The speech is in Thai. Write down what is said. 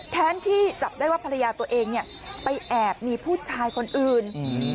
แทนที่จับได้ว่าภรรยาตัวเองเนี่ยไปแอบมีผู้ชายคนอื่น